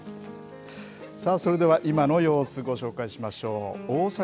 さあ、それでは今の様子、ご紹介しましょう。